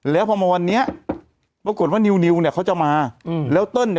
แล้วพอมาวันนี้ปรากฏว่านิวเนี่ยเขาจะมาอืมแล้วเติ้ลเนี่ย